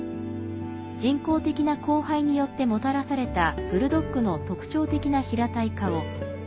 人工的な交配によってもたらされたブルドッグの特徴的な平たい顔。